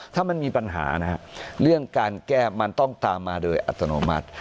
ถ้ามันมีปัญหานะฮะเรื่องการแก้มันต้องตามมาโดยอัตโนมัติ